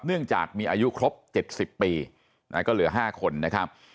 เนื่องจากมีอายุครบ๗๐ปีก็เหลือ๕คนนะครับ